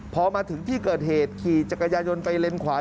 พอมาถึงที่เกิดเหตุขี่จักรยานยนไปเลนขวา